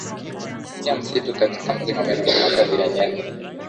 pia misitu katika mlima Meru ni makazi ya nyani